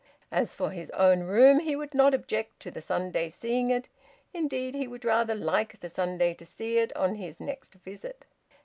As for his own room, he would not object to the Sunday seeing it. Indeed he would rather like the Sunday to see it, on his next visit.